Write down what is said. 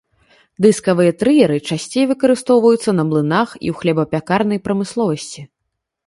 Дыскавыя трыеры часцей выкарыстоўваюцца на млынах і ў хлебапякарнай прамысловасці.